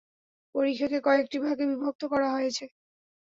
পরিখাকে কয়েকটি ভাগে বিভক্ত করা হয়েছে।